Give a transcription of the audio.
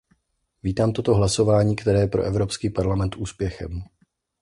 Vítám toto hlasování, které je pro Evropský parlament úspěchem.